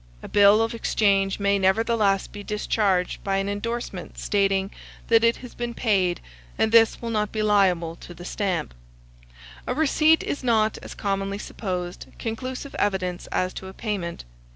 A bill of exchange may nevertheless be discharged by an indorsement stating that it has been paid, and this will not be liable to the stamp. A receipt is not, as commonly supposed, conclusive evidence as to a payment.